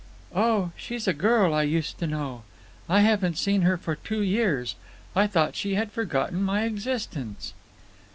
"Oh, she's a girl I used to know. I haven't seen her for two years. I thought she had forgotten my existence."